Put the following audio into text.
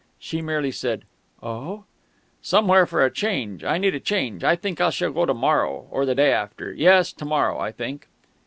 She merely said, "Oh?" "Somewhere for a change. I need a change. I think I shall go to morrow, or the day after. Yes, to morrow, I think."